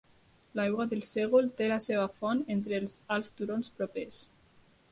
L'aigua del sègol té la seva font entre els alts turons propers.